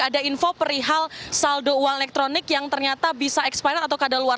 ada info perihal saldo uang elektronik yang ternyata bisa expiren atau kadal luar